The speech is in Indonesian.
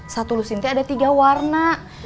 satu lusin teh ada tiga warna